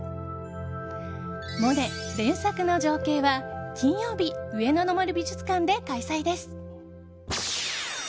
「モネ連作の情景」は金曜日上野の森美術館で開催です。